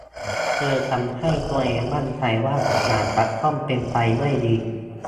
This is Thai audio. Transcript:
เธอทำให้ตัวเองมั่นใจว่าทุกอย่างจะต้องเป็นไปด้วยดี